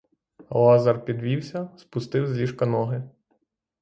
Лазар підвівся, спустив з ліжка ноги.